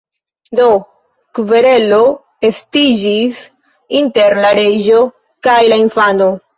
Do, kverelo estiĝis inter la reĝo kaj la Infanto.